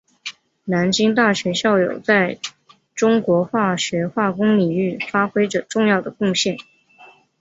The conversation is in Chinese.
南京大学校友在中国化学化工领域发挥着重要的贡献。